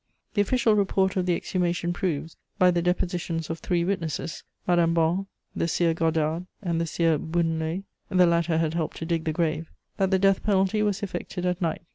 The official report of the exhumation proves, by the depositions of three witnesses, Madame Bon, the Sieur Godard and the Sieur Bounelet (the latter had helped to dig the grave), that the death penalty was effected at night.